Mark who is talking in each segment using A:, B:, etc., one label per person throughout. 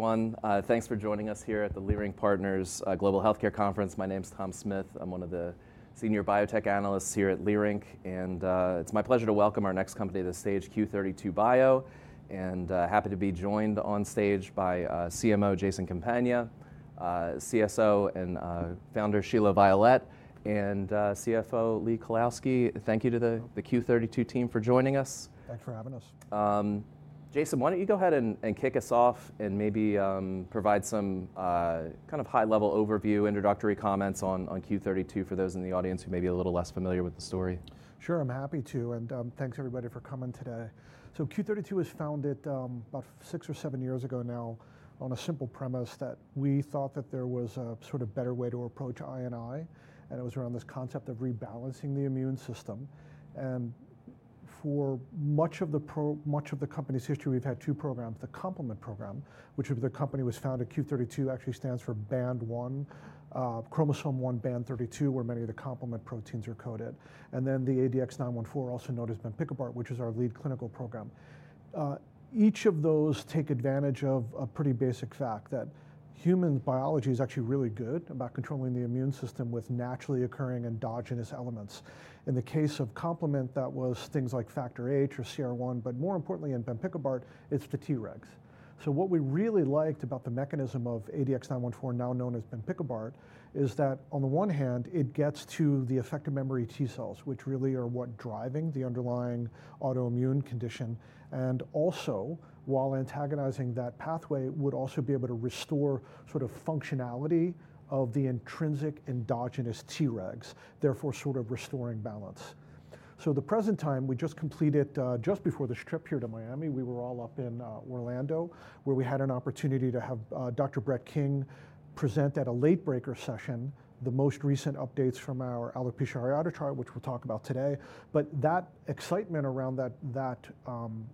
A: Everyone, thanks for joining us here at the Leerink Partners Global Healthcare Conference. My name's Thom Smith. I'm one of the Senior Biotech Analysts here at Leerink. It's my pleasure to welcome our next company to the stage, Q32 Bio. Happy to be joined on stage by CMO Jason Campagna, CSO and founder Sheila Violette, and CFO Lee Kalowski. Thank you to the Q32 team for joining us.
B: Thanks for having us.
A: Jason, why don't you go ahead and kick us off and maybe provide some kind of high-level overview, introductory comments on Q32 for those in the audience who may be a little less familiar with the story.
B: Sure, I'm happy to. Thanks, everybody, for coming today. Q32 was founded about six or seven years ago now on a simple premise that we thought that there was a sort of better way to approach I&I. It was around this concept of rebalancing the immune system. For much of the company's history, we've had two programs, the Complement Program, which is where the company was founded. Q32 actually stands for Band 1, Chromosome 1 Band 32, where many of the complement proteins are coded. Then the ADX-914, also known as Bempikibart, which is our lead clinical program. Each of those takes advantage of a pretty basic fact that human biology is actually really good about controlling the immune system with naturally occurring endogenous elements. In the case of Complement, that was things like Factor VIII or CR1. More importantly, in Bempikibart, it's the Tregs. What we really liked about the mechanism of ADX-914, now known as Bempikibart, is that on the one hand, it gets to the affected memory T cells, which really are what are driving the underlying autoimmune condition. Also, while antagonizing that pathway, it would also be able to restore sort of functionality of the intrinsic endogenous Tregs, therefore sort of restoring balance. At the present time, we just completed, just before the trip here to Miami, we were all up in Orlando, where we had an opportunity to have Dr. Brett King present at a late breaker session the most recent updates from our alopecia areata trial, which we'll talk about today. That excitement around that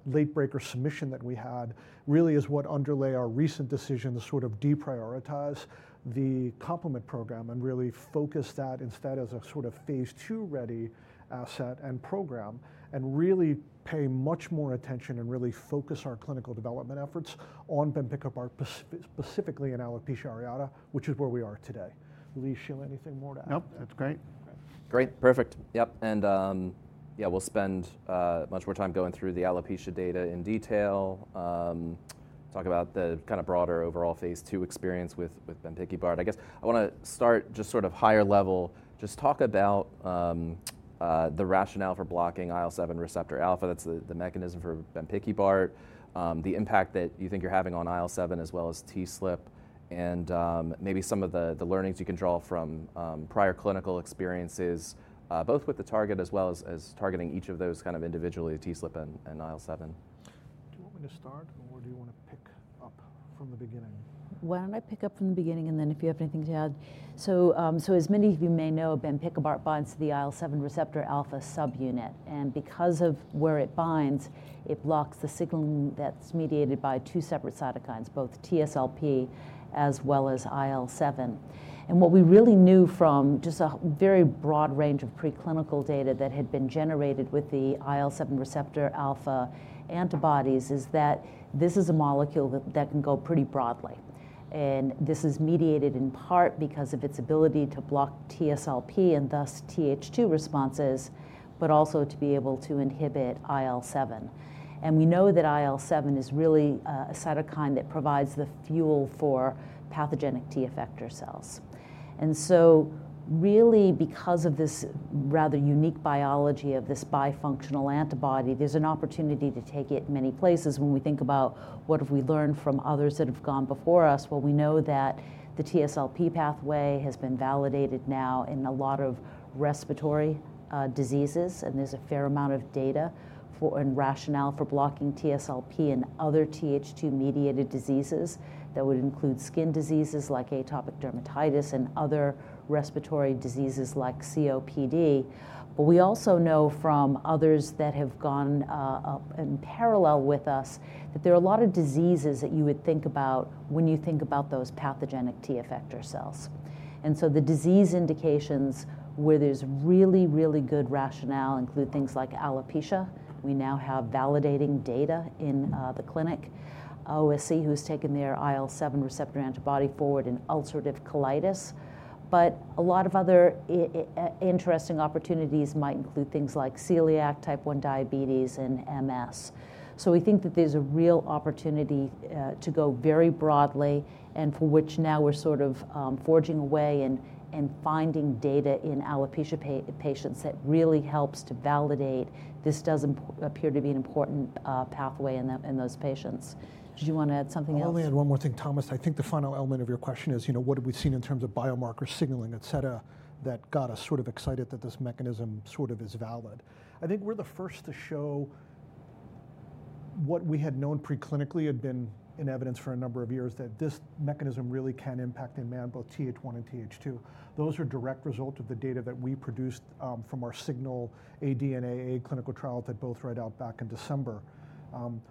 B: late breaker submission that we had really is what underlays our recent decision to sort of deprioritize the Complement Program and really focus that instead as a sort of phase II ready asset and program, and really pay much more attention and really focus our clinical development efforts on Bempikibart, specifically in alopecia areata, which is where we are today. Lee, Sheila, anything more to add?
C: Nope, that's great.
A: Great, perfect. Yep. Yeah, we'll spend much more time going through the alopecia data in detail, talk about the kind of broader overall phase II experience with Bempikibart. I guess I want to start just sort of higher level, just talk about the rationale for blocking IL-7 receptor alpha. That's the mechanism for Bempikibart, the impact that you think you're having on IL-7, as well as TSLP, and maybe some of the learnings you can draw from prior clinical experiences, both with the target as well as targeting each of those kind of individually, TSLP and IL-7.
B: Do you want me to start, or do you want to pick up from the beginning?
D: Why don't I pick up from the beginning, and then if you have anything to add. As many of you may know, Bempikibart binds to the IL-7 receptor alpha subunit. Because of where it binds, it blocks the signal that's mediated by two separate cytokines, both TSLP as well as IL-7. What we really knew from just a very broad range of preclinical data that had been generated with the IL-7 receptor alpha antibodies is that this is a molecule that can go pretty broadly. This is mediated in part because of its ability to block TSLP and thus TH2 responses, but also to be able to inhibit IL-7. We know that IL-7 is really a cytokine that provides the fuel for pathogenic T effector cells. Really, because of this rather unique biology of this bifunctional antibody, there's an opportunity to take it in many places. When we think about what have we learned from others that have gone before us, we know that the TSLP pathway has been validated now in a lot of respiratory diseases. There's a fair amount of data and rationale for blocking TSLP in other TH2 mediated diseases that would include skin diseases like atopic dermatitis and other respiratory diseases like COPD. We also know from others that have gone in parallel with us that there are a lot of diseases that you would think about when you think about those pathogenic T effector cells. The disease indications where there's really, really good rationale include things like alopecia. We now have validating data in the clinic. OSC, who's taken their IL-7 receptor antibody forward in ulcerative colitis. A lot of other interesting opportunities might include things like celiac, type 1 diabetes, and MS. We think that there's a real opportunity to go very broadly and for which now we're sort of forging away and finding data in alopecia patients that really helps to validate this does appear to be an important pathway in those patients. Did you want to add something else?
B: I only add one more thing, Thomas. I think the final element of your question is, you know, what have we seen in terms of biomarkers, signaling, et cetera, that got us sort of excited that this mechanism sort of is valid? I think we're the first to show what we had known preclinically had been in evidence for a number of years that this mechanism really can impact in man, both TH1 and TH2. Those are direct results of the data that we produced from our Signal AD and AA clinical trials that both read out back in December.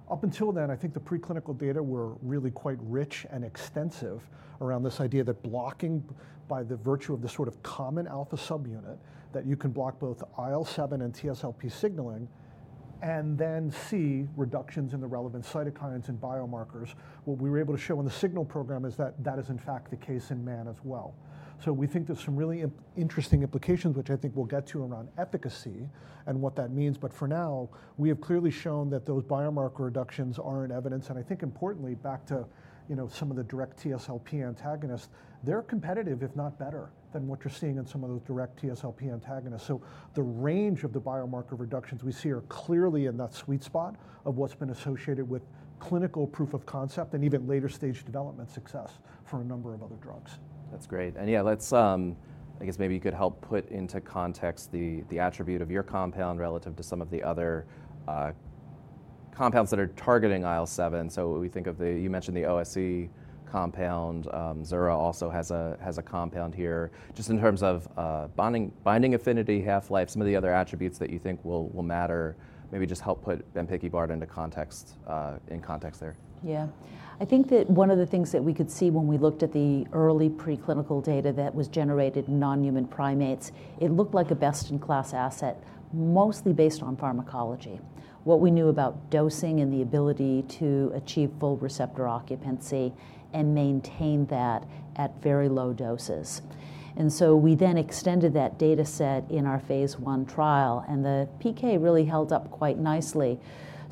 B: Up until then, I think the preclinical data were really quite rich and extensive around this idea that blocking by the virtue of the sort of common alpha subunit that you can block both IL-7 and TSLP signaling and then see reductions in the relevant cytokines and biomarkers. What we were able to show in the Signal Program is that that is, in fact, the case in man as well. We think there's some really interesting implications, which I think we'll get to around efficacy and what that means. For now, we have clearly shown that those biomarker reductions are in evidence. I think, importantly, back to some of the direct TSLP antagonists, they're competitive, if not better, than what you're seeing in some of those direct TSLP antagonists. The range of the biomarker reductions we see are clearly in that sweet spot of what's been associated with clinical proof of concept and even later stage development success for a number of other drugs.
A: That's great. Yeah, I guess maybe you could help put into context the attribute of your compound relative to some of the other compounds that are targeting IL-7. We think of the, you mentioned the OSC compound. Zura also has a compound here. Just in terms of binding affinity, half-life, some of the other attributes that you think will matter, maybe just help put Bempikibart in context there.
D: Yeah. I think that one of the things that we could see when we looked at the early preclinical data that was generated in non-human primates, it looked like a best-in-class asset, mostly based on pharmacology. What we knew about dosing and the ability to achieve full receptor occupancy and maintain that at very low doses. We then extended that data set in our phase I trial. The PK really held up quite nicely.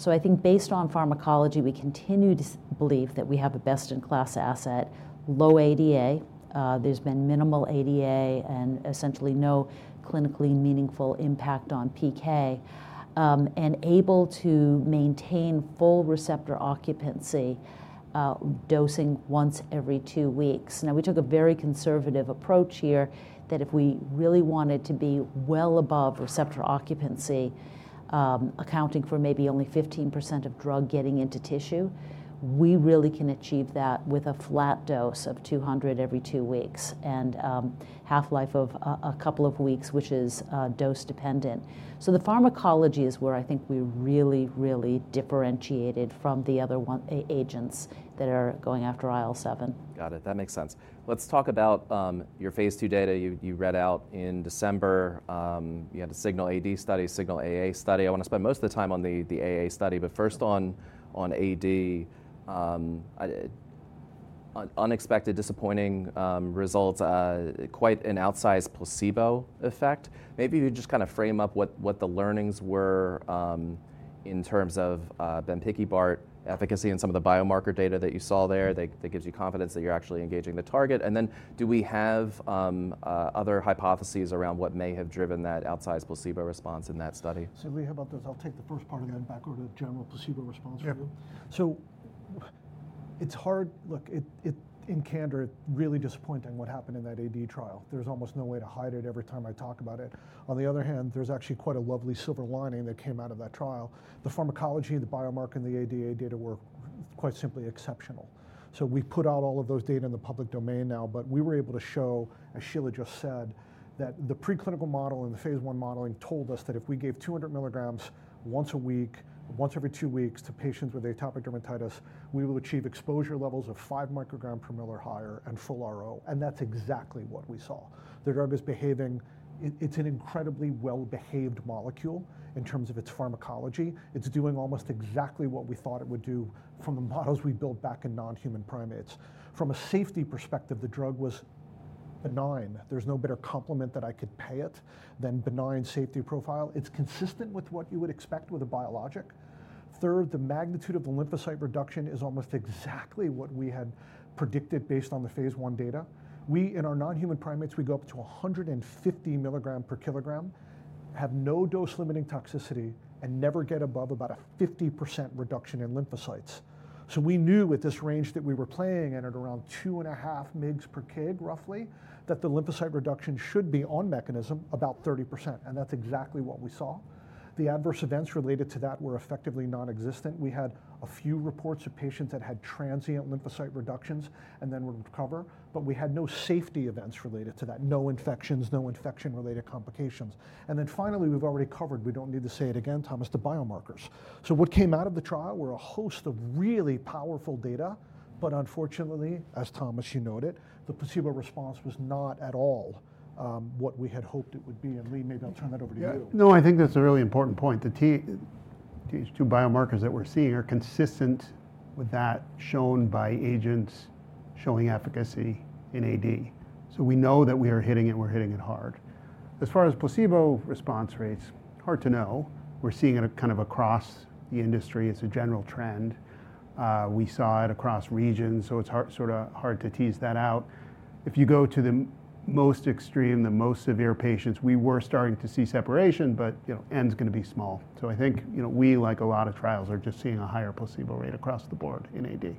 D: I think based on pharmacology, we continue to believe that we have a best-in-class asset, low ADA. There's been minimal ADA and essentially no clinically meaningful impact on PK, and able to maintain full receptor occupancy dosing once every two weeks. Now, we took a very conservative approach here that if we really wanted to be well above receptor occupancy, accounting for maybe only 15% of drug getting into tissue, we really can achieve that with a flat dose of 200 every two weeks and half-life of a couple of weeks, which is dose dependent. The pharmacology is where I think we really, really differentiated from the other agents that are going after IL-7.
A: Got it. That makes sense. Let's talk about your phase II data you read out in December. You had a Signal AD study, Signal AA study. I want to spend most of the time on the AA study, but first on AD, unexpected, disappointing results, quite an outsized placebo effect. Maybe you just kind of frame up what the learnings were in terms of Bempikibart efficacy and some of the biomarker data that you saw there that gives you confidence that you're actually engaging the target. Do we have other hypotheses around what may have driven that outsized placebo response in that study?
B: Sheila, how about this, I'll take the first part of that and back over to the general placebo response for you. It's hard, look, it's in candor, it's really disappointing what happened in that AD trial. There's almost no way to hide it every time I talk about it. On the other hand, there's actually quite a lovely silver lining that came out of that trial. The pharmacology, the biomarker, and the ADA data were quite simply exceptional. We put out all of those data in the public domain now. We were able to show, as Sheila just said, that the preclinical model and the phase I modeling told us that if we gave 200 milligrams once a week, once every two weeks to patients with atopic dermatitis, we will achieve exposure levels of 5 microgram per milliliter higher and full RO. That's exactly what we saw. The drug is behaving. It's an incredibly well-behaved molecule in terms of its pharmacology. It's doing almost exactly what we thought it would do from the models we built back in non-human primates. From a safety perspective, the drug was benign. There's no better complement that I could pay it than benign safety profile. It's consistent with what you would expect with a biologic. Third, the magnitude of the lymphocyte reduction is almost exactly what we had predicted based on the phase I data. We, in our non-human primates, we go up to 150 mg per kg, have no dose limiting toxicity, and never get above about a 50% reduction in lymphocytes. We knew with this range that we were playing in at around 2.5 mg per kg roughly, that the lymphocyte reduction should be on mechanism about 30%. That is exactly what we saw. The adverse events related to that were effectively nonexistent. We had a few reports of patients that had transient lymphocyte reductions and then would recover. We had no safety events related to that, no infections, no infection-related complications. Finally, we have already covered, we do not need to say it again, Thomas, the biomarkers. What came out of the trial were a host of really powerful data. Unfortunately, as Thomas, you noted, the placebo response was not at all what we had hoped it would be. Lee, maybe I will turn that over to you.
C: Yeah, no, I think that's a really important point. The TH2 biomarkers that we're seeing are consistent with that shown by agents showing efficacy in AD. So we know that we are hitting it and we're hitting it hard. As far as placebo response rates, hard to know. We're seeing it kind of across the industry. It's a general trend. We saw it across regions. So it's sort of hard to tease that out. If you go to the most extreme, the most severe patients, we were starting to see separation, but, you know, N's going to be small. So I think, you know, we, like a lot of trials, are just seeing a higher placebo rate across the board in AD.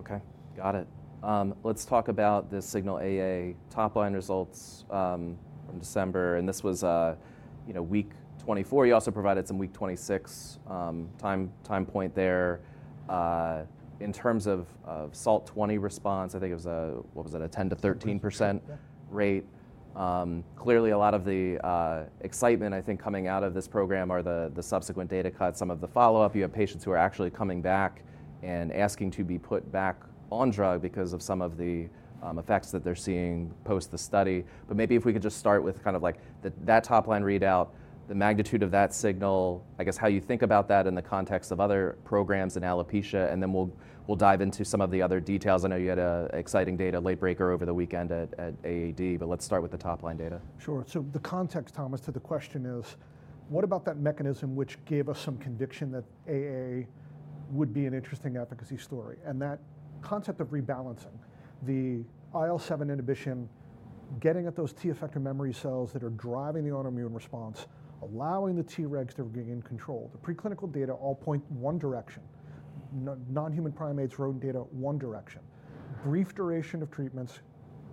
A: Okay, got it. Let's talk about the Signal AA top line results from December. This was week 24. You also provided some week 26 time point there. In terms of SALT20 response, I think it was a, what was it, a 10% to 13% rate. Clearly, a lot of the excitement, I think, coming out of this program are the subsequent data cuts, some of the follow-up. You have patients who are actually coming back and asking to be put back on drug because of some of the effects that they're seeing post the study. Maybe if we could just start with kind of like that top line readout, the magnitude of that signal, I guess how you think about that in the context of other programs in alopecia. Then we'll dive into some of the other details. I know you had exciting data late breaker over the weekend at AAD, but let's start with the top line data.
B: Sure. The context, Thomas, to the question is, what about that mechanism which gave us some conviction that AA would be an interesting efficacy story? That concept of rebalancing the IL-7 inhibition, getting at those T effector memory cells that are driving the autoimmune response, allowing the T regs to regain control. The preclinical data all point one direction. Non-human primates wrote in data one direction. Brief duration of treatments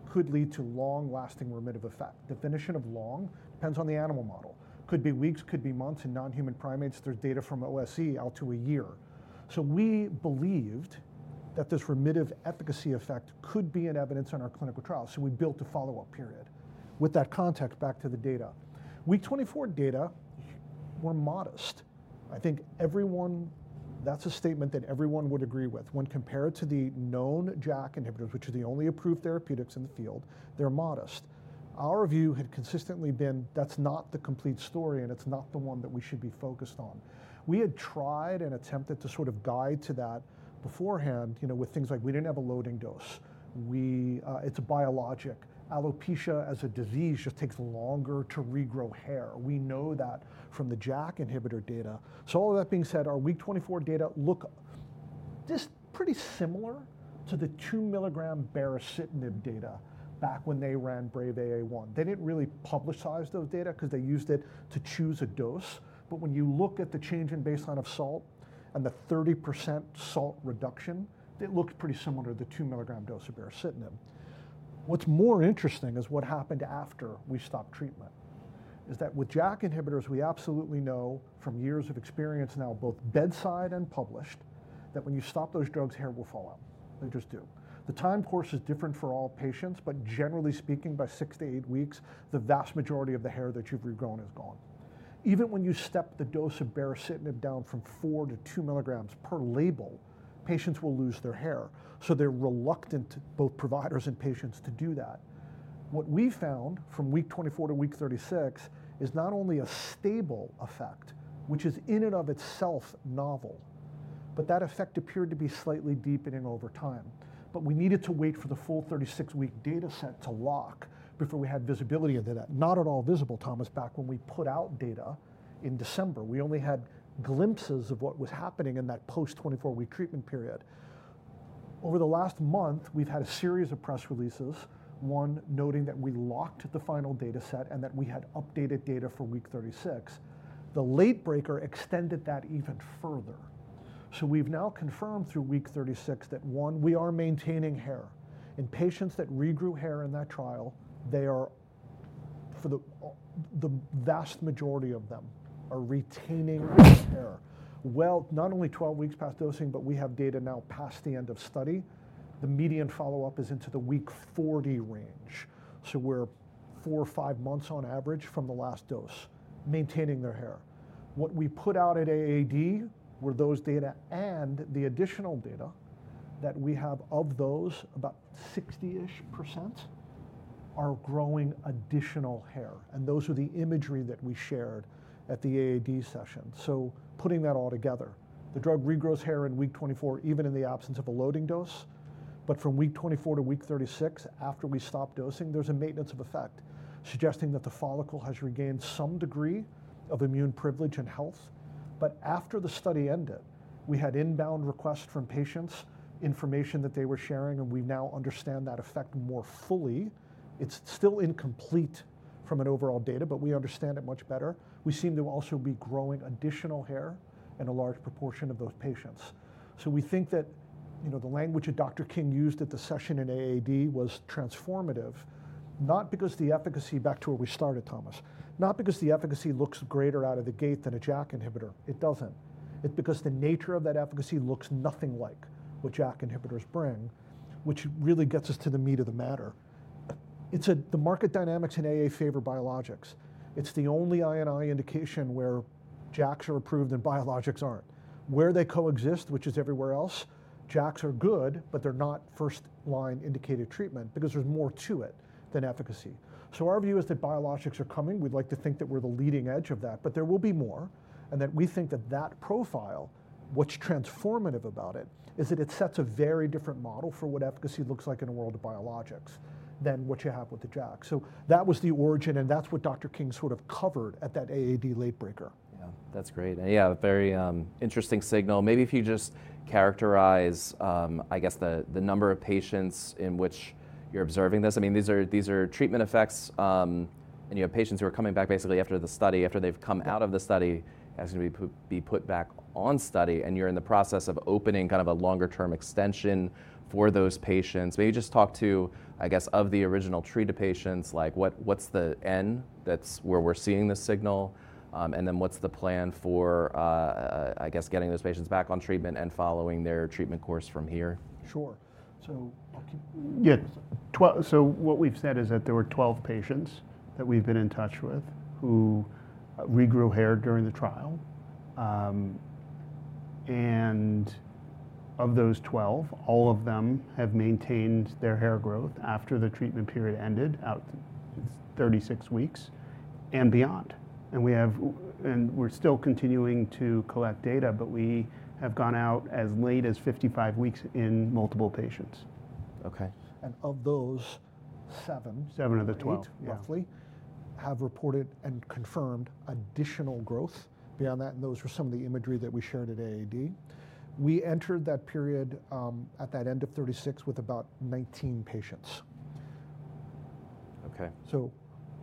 B: could lead to long-lasting remissive effect. Definition of long depends on the animal model. Could be weeks, could be months. In non-human primates, there's data from OSC out to a year. We believed that this remissive efficacy effect could be in evidence in our clinical trial. We built a follow-up period. With that context, back to the data. Week 24 data were modest. I think everyone, that's a statement that everyone would agree with. When compared to the known JAK inhibitors, which are the only approved therapeutics in the field, they're modest. Our view had consistently been, that's not the complete story and it's not the one that we should be focused on. We had tried and attempted to sort of guide to that beforehand, you know, with things like we didn't have a loading dose. It's a biologic. Alopecia as a disease just takes longer to regrow hair. We know that from the JAK inhibitor data. All of that being said, our week 24 data look just pretty similar to the 2 milligram baricitinib data back when they ran Brave AA1. They didn't really publicize those data because they used it to choose a dose. When you look at the change in baseline of SALT and the 30% SALT reduction, it looked pretty similar to the 2 milligram dose of baricitinib. What's more interesting is what happened after we stopped treatment is that with JAK inhibitors, we absolutely know from years of experience now, both bedside and published, that when you stop those drugs, hair will fall out. They just do. The time course is different for all patients, but generally speaking, by six to eight weeks, the vast majority of the hair that you've regrown is gone. Even when you step the dose of baricitinib down from 4 to 2 milligrams per label, patients will lose their hair. So they're reluctant, both providers and patients, to do that. What we found from week 24 to week 36 is not only a stable effect, which is in and of itself novel, but that effect appeared to be slightly deepening over time. We needed to wait for the full 36-week data set to lock before we had visibility into that. Not at all visible, Thomas, back when we put out data in December. We only had glimpses of what was happening in that post-24-week treatment period. Over the last month, we've had a series of press releases, one noting that we locked the final data set and that we had updated data for week 36. The late breaker extended that even further. We have now confirmed through week 36 that, one, we are maintaining hair. In patients that regrew hair in that trial, they are, for the vast majority of them, retaining hair. Not only 12 weeks past dosing, but we have data now past the end of study. The median follow-up is into the week 40 range. We are four or five months on average from the last dose, maintaining their hair. What we put out at AAD were those data and the additional data that we have of those, about 60% are growing additional hair. Those are the imagery that we shared at the AAD session. Putting that all together, the drug regrows hair in week 24, even in the absence of a loading dose. From week 24 to week 36, after we stopped dosing, there is a maintenance of effect, suggesting that the follicle has regained some degree of immune privilege and health. After the study ended, we had inbound requests from patients, information that they were sharing, and we now understand that effect more fully. It is still incomplete from an overall data perspective, but we understand it much better. We seem to also be growing additional hair in a large proportion of those patients. We think that, you know, the language that Dr. King used at the session in AAD was transformative, not because the efficacy, back to where we started, Thomas, not because the efficacy looks greater out of the gate than a JAK inhibitor. It doesn't. It's because the nature of that efficacy looks nothing like what JAK inhibitors bring, which really gets us to the meat of the matter. The market dynamics in AA favor biologics. It's the only INI indication where JAKs are approved and biologics aren't. Where they coexist, which is everywhere else, JAKs are good, but they're not first-line indicated treatment because there's more to it than efficacy. Our view is that biologics are coming. We'd like to think that we're the leading edge of that, but there will be more. We think that that profile, what's transformative about it, is that it sets a very different model for what efficacy looks like in a world of biologics than what you have with the JAK. That was the origin, and that's what Dr. King sort of covered at that AAD late breaker.
A: Yeah, that's great. Yeah, very interesting signal. Maybe if you just characterize, I guess, the number of patients in which you're observing this. I mean, these are treatment effects, and you have patients who are coming back basically after the study, after they've come out of the study, asking to be put back on study, and you're in the process of opening kind of a longer-term extension for those patients. Maybe just talk to, I guess, of the original treated patients, like what's the end that's where we're seeing the signal, and then what's the plan for, I guess, getting those patients back on treatment and following their treatment course from here?
B: Sure. I'll keep.
C: Yeah. What we've said is that there were 12 patients that we've been in touch with who regrew hair during the trial. Of those 12, all of them have maintained their hair growth after the treatment period ended out to 36 weeks and beyond. We have, and we're still continuing to collect data, but we have gone out as late as 55 weeks in multiple patients.
A: Okay.
B: Of those, seven. Seven of the 12, roughly, have reported and confirmed additional growth beyond that. Those were some of the imagery that we shared at AAD. We entered that period at the end of 36 with about 19 patients.
A: Okay.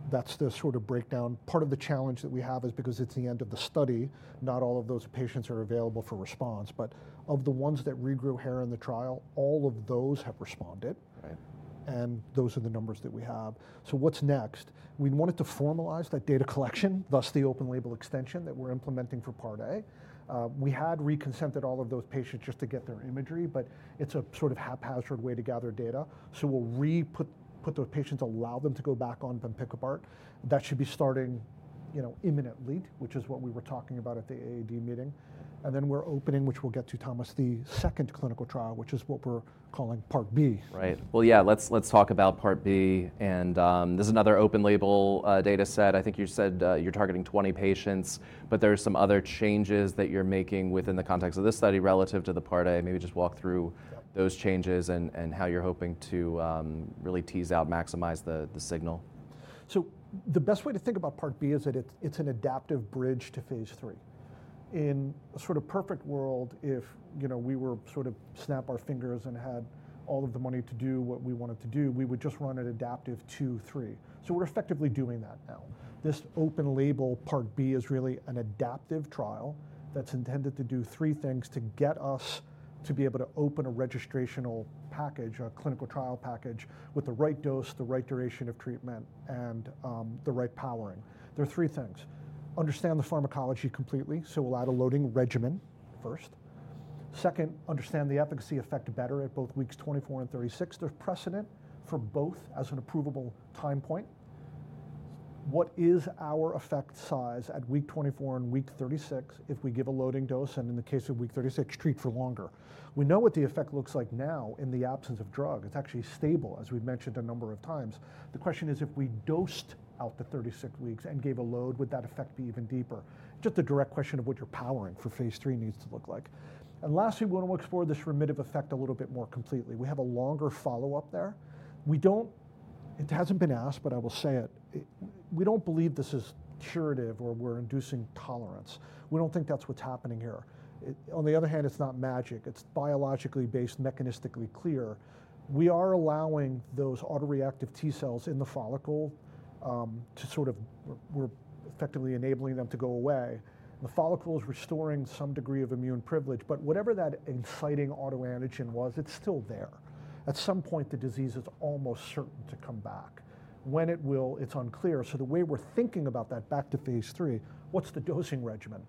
B: That's the sort of breakdown. Part of the challenge that we have is because it's the end of the study, not all of those patients are available for response. But of the ones that regrew hair in the trial, all of those have responded.
A: Right.
B: Those are the numbers that we have. What's next? We wanted to formalize that data collection, thus the open label extension that we're implementing for Part A. We had reconsented all of those patients just to get their imagery, but it's a sort of haphazard way to gather data. We'll re-put those patients, allow them to go back on Bempikibart. That should be starting, you know, imminently, which is what we were talking about at the AAD meeting. We're opening, which we'll get to, Thomas, the second clinical trial, which is what we're calling Part B.
A: Right. Yeah, let's talk about Part B. This is another open label data set. I think you said you're targeting 20 patients, but there are some other changes that you're making within the context of this study relative to Part A. Maybe just walk through those changes and how you're hoping to really tease out, maximize the signal.
B: The best way to think about Part B is that it's an adaptive bridge to phase III. In a sort of perfect world, if, you know, we were sort of snap our fingers and had all of the money to do what we wanted to do, we would just run an adaptive two, three. We are effectively doing that now. This open label Part B is really an adaptive trial that's intended to do three things to get us to be able to open a registrational package, a clinical trial package with the right dose, the right duration of treatment, and the right powering. There are three things. Understand the pharmacology completely. We will add a loading regimen first. Second, understand the efficacy effect better at both weeks 24 and 36. There is precedent for both as an approvable time point. What is our effect size at week 24 and week 36 if we give a loading dose? In the case of week 36, treat for longer. We know what the effect looks like now in the absence of drug. It's actually stable, as we've mentioned a number of times. The question is, if we dosed out the 36 weeks and gave a load, would that effect be even deeper? Just the direct question of what your powering for phase III needs to look like. Lastly, we want to explore this remissive effect a little bit more completely. We have a longer follow-up there. We don't, it hasn't been asked, but I will say it. We don't believe this is curative or we're inducing tolerance. We don't think that's what's happening here. On the other hand, it's not magic. It's biologically based, mechanistically clear. We are allowing those autoreactive T cells in the follicle to sort of, we're effectively enabling them to go away. The follicle is restoring some degree of immune privilege, but whatever that inciting autoantigen was, it's still there. At some point, the disease is almost certain to come back. When it will, it's unclear. The way we're thinking about that back to phase III, what's the dosing regimen?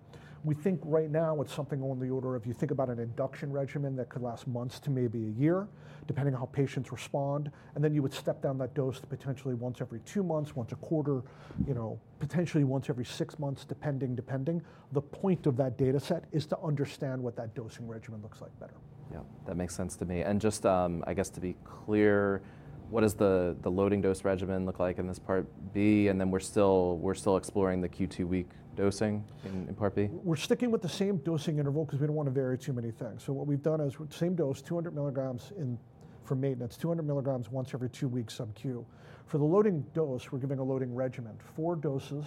B: We think right now it's something on the order of you think about an induction regimen that could last months to maybe a year, depending on how patients respond. Then you would step down that dose to potentially once every two months, once a quarter, you know, potentially once every six months, depending, depending. The point of that data set is to understand what that dosing regimen looks like better.
A: Yeah, that makes sense to me. Just, I guess, to be clear, what does the loading dose regimen look like in this Part B? We're still exploring the Q2 week dosing in Part B.
B: We're sticking with the same dosing interval because we don't want to vary too many things. What we've done is same dose, 200 milligrams for maintenance, 200 milligrams once every two weeks sub Q. For the loading dose, we're giving a loading regimen, four doses,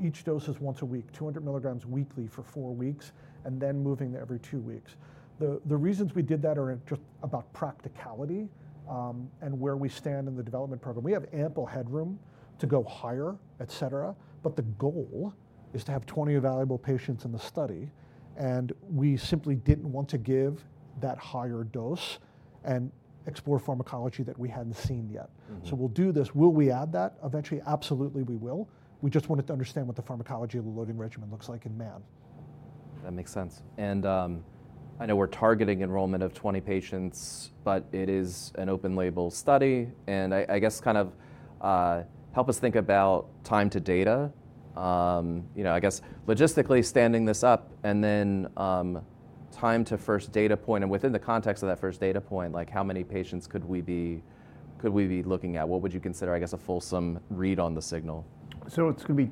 B: each dose is once a week, 200 milligrams weekly for four weeks, and then moving every two weeks. The reasons we did that are just about practicality and where we stand in the development program. We have ample headroom to go higher, et cetera, but the goal is to have 20 available patients in the study. We simply didn't want to give that higher dose and explore pharmacology that we hadn't seen yet. We'll do this. Will we add that? Eventually, absolutely we will. We just wanted to understand what the pharmacology of the loading regimen looks like in man.
A: That makes sense. I know we're targeting enrollment of 20 patients, but it is an open label study. I guess kind of help us think about time to data. You know, I guess logistically standing this up and then time to first data point. Within the context of that first data point, like how many patients could we be looking at? What would you consider, I guess, a fulsome read on the signal?
B: It's going to be,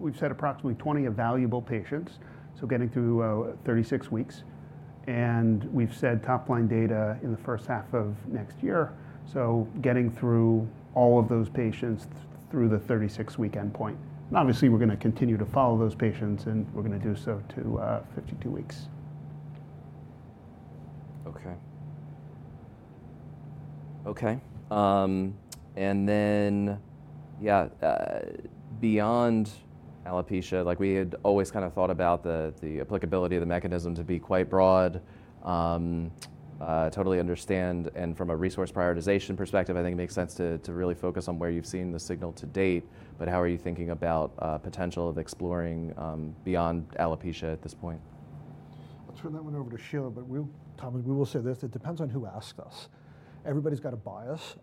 B: we've said approximately 20 available patients. Getting through 36 weeks. We've said top line data in the first half of next year. Getting through all of those patients through the 36-week endpoint. Obviously, we're going to continue to follow those patients, and we're going to do so to 52 weeks.
A: Okay. Okay. And then, yeah, beyond alopecia, like we had always kind of thought about the applicability of the mechanism to be quite broad. Totally understand. And from a resource prioritization perspective, I think it makes sense to really focus on where you've seen the signal to date. But how are you thinking about potential of exploring beyond alopecia at this point?
B: I'll turn that one over to Sheila, but Thomas, we will say this. It depends on who asked us. Everybody's got a bias.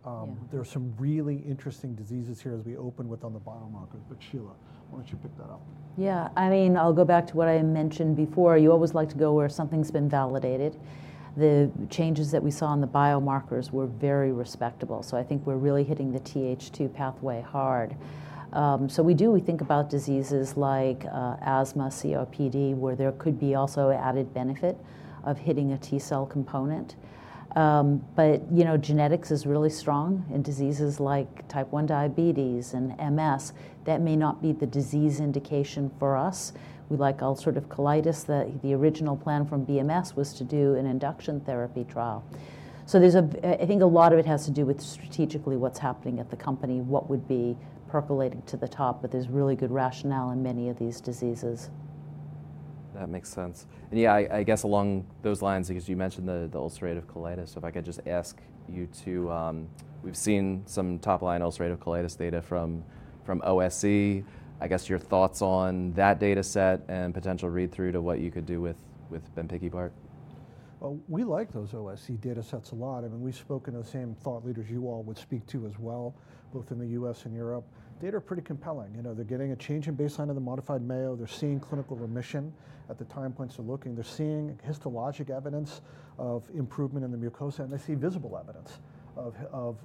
B: There are some really interesting diseases here as we open with on the biomarkers, but Sheila, why don't you pick that up?
D: Yeah, I mean, I'll go back to what I mentioned before. You always like to go where something's been validated. The changes that we saw in the biomarkers were very respectable. I think we're really hitting the TH2 pathway hard. We think about diseases like asthma, COPD, where there could be also added benefit of hitting a T cell component. You know, genetics is really strong in diseases like type 1 diabetes and MS. That may not be the disease indication for us. We like ulcerative colitis that the original plan from BMS was to do an induction therapy trial. I think a lot of it has to do with strategically what's happening at the company, what would be percolating to the top, but there's really good rationale in many of these diseases.
A: That makes sense. Yeah, I guess along those lines, because you mentioned the ulcerative colitis, if I could just ask you to, we've seen some top line ulcerative colitis data from OSC. I guess your thoughts on that data set and potential read-through to what you could do with Bempikibart?
B: We like those OSC data sets a lot. I mean, we've spoken to the same thought leaders you all would speak to as well, both in the U.S. and Europe. Data are pretty compelling. You know, they're getting a change in baseline of the modified Mayo. They're seeing clinical remission at the time points they're looking. They're seeing histologic evidence of improvement in the mucosa, and they see visible evidence of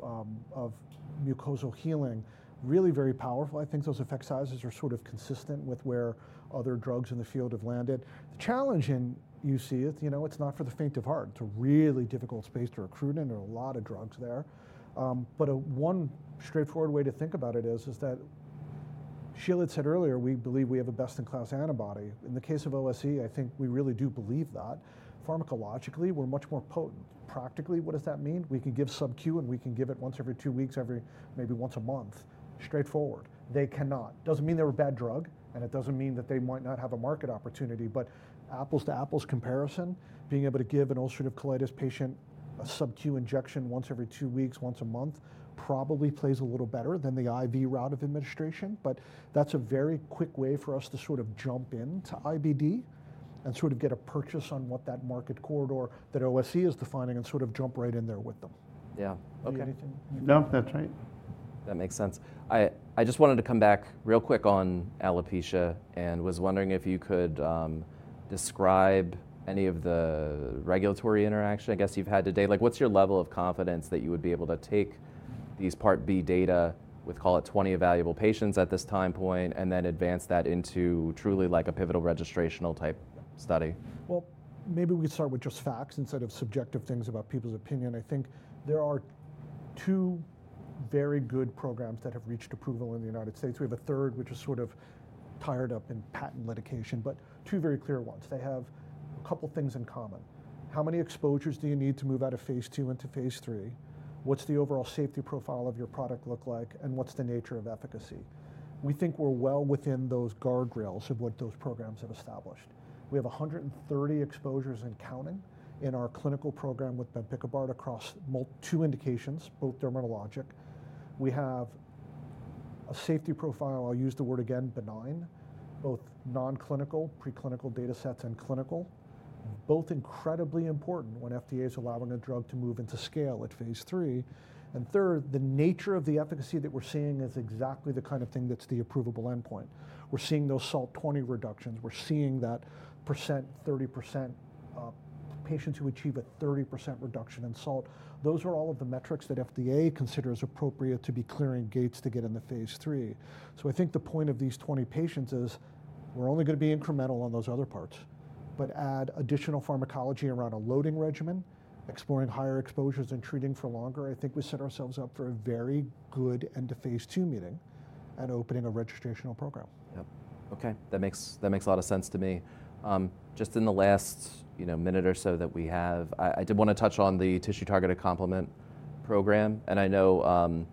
B: mucosal healing, really very powerful. I think those effect sizes are sort of consistent with where other drugs in the field have landed. The challenge in UC is, you know, it's not for the faint of heart. It's a really difficult space to recruit in. There are a lot of drugs there. One straightforward way to think about it is that Sheila had said earlier, we believe we have a best-in-class antibody. In the case of OSC, I think we really do believe that. Pharmacologically, we're much more potent. Practically, what does that mean? We can give sub Q and we can give it once every two weeks, maybe once a month, straightforward. They cannot. Doesn't mean they're a bad drug, and it doesn't mean that they might not have a market opportunity, but apples to apples comparison, being able to give an ulcerative colitis patient a sub Q injection once every two weeks, once a month, probably plays a little better than the IV route of administration. That's a very quick way for us to sort of jump into IBD and sort of get a purchase on what that market corridor that OSC is defining and sort of jump right in there with them.
A: Yeah.
B: Anything?
C: No, that's right.
A: That makes sense. I just wanted to come back real quick on alopecia and was wondering if you could describe any of the regulatory interaction, I guess, you've had today. Like what's your level of confidence that you would be able to take these Part B data with, call it 20 available patients at this time point, and then advance that into truly like a pivotal registrational type study?
B: Maybe we could start with just facts instead of subjective things about people's opinion. I think there are two very good programs that have reached approval in the United States. We have a third, which is sort of tied up in patent litigation, but two very clear ones. They have a couple of things in common. How many exposures do you need to move out of phase II into phase III? What's the overall safety profile of your product look like? What's the nature of efficacy? We think we're well within those guardrails of what those programs have established. We have 130 exposures and counting in our clinical program with Bempikibart across two indications, both dermatologic. We have a safety profile, I'll use the word again, benign, both nonclinical, preclinical data sets, and clinical, both incredibly important when FDA is allowing a drug to move into scale at phase III. Third, the nature of the efficacy that we're seeing is exactly the kind of thing that's the approvable endpoint. We're seeing those SALT 20 reductions. We're seeing that %, 30% patients who achieve a 30% reduction in SALT. Those are all of the metrics that FDA considers appropriate to be clearing gates to get into phase III. I think the point of these 20 patients is we're only going to be incremental on those other parts, but add additional pharmacology around a loading regimen, exploring higher exposures and treating for longer. I think we set ourselves up for a very good end of phase II meeting and opening a registrational program.
A: Yep. Okay. That makes a lot of sense to me. Just in the last, you know, minute or so that we have, I did want to touch on the tissue targeted complement program. I know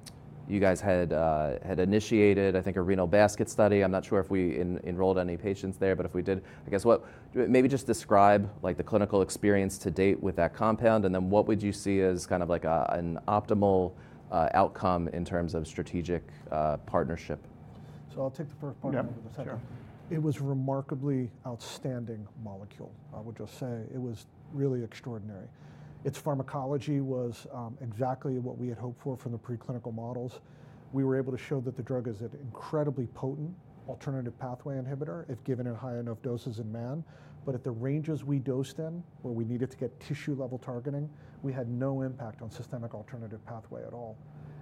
A: you guys had initiated, I think, a renal basket study. I'm not sure if we enrolled any patients there, but if we did, I guess what, maybe just describe like the clinical experience to date with that compound. What would you see as kind of like an optimal outcome in terms of strategic partnership?
B: I'll take the first part of the question. It was a remarkably outstanding molecule. I would just say it was really extraordinary. Its pharmacology was exactly what we had hoped for from the preclinical models. We were able to show that the drug is an incredibly potent alternative pathway inhibitor if given in high enough doses in man. At the ranges we dosed in, where we needed to get tissue level targeting, we had no impact on systemic alternative pathway at all.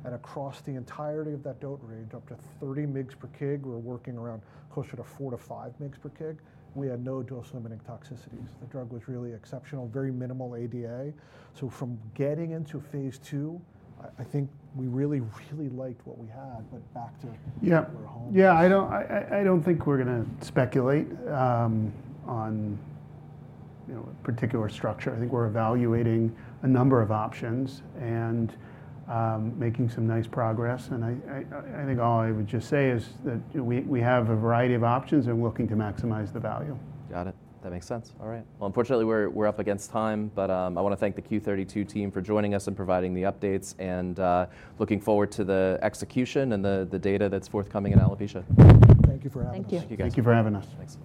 B: Across the entirety of that dose range, up to 30 mg per kg, we're working around closer to four to five mg per kg. We had no dose limiting toxicities. The drug was really exceptional, very minimal ADA. From getting into phase II, I think we really, really liked what we had, but back to where we're at home.
C: Yeah, I don't think we're going to speculate on, you know, a particular structure. I think we're evaluating a number of options and making some nice progress. I think all I would just say is that we have a variety of options and we're looking to maximize the value.
A: Got it. That makes sense. All right. Unfortunately, we're up against time, but I want to thank the Q32 team for joining us and providing the updates and looking forward to the execution and the data that's forthcoming in alopecia.
B: Thank you for having us.
D: Thank you.
C: Thank you for having us.